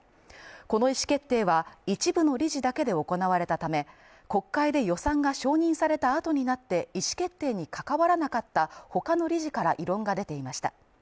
この意思決定は、一部の理事だけで行われたため、国会で予算が承認された後になって、意思決定に関わらなかった他の理事から異論が出ていました。